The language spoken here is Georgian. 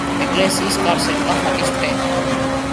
ეკლესიას გარს ერტყა ხატის ტყე.